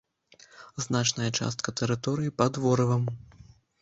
Значная частка тэрыторыі пад ворывам.